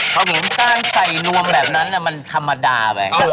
ความเหมือนการใส่นวมแบบนั้นมันธรรมดาแหว่ง